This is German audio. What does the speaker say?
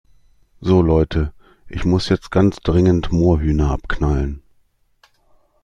So Leute, ich muss jetzt ganz dringend Moorhühner abknallen.